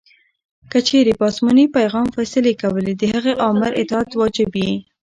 کې چیري په اسماني پیغام فیصلې کولې؛ د هغه آمر اطاعت واجب يي.